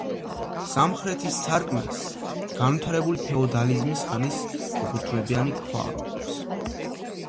სამხრეთის სარკმელს განვითარებული ფეოდალიზმის ხანის ჩუქურთმიანი ქვა ამკობს.